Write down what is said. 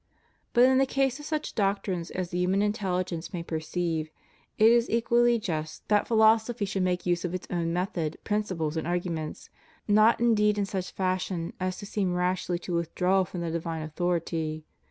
But in the case of such doctrines as the human intelligence may perceive, it is equally just that philosophy should make use of its own method, principles, and arguments — not indeed in such fashion as to seem rashly to withdraw from the divine authority.